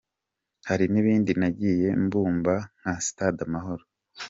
Hari n’ibindi nagiye mbumba nka Stade Amahoro.